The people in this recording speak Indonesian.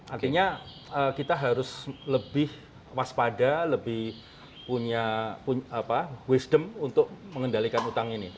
artinya kita harus lebih waspada lebih punya wisdom untuk mengendalikan utang ini